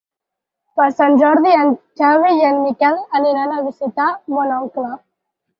Per Sant Jordi en Xavi i en Miquel aniran a visitar mon oncle.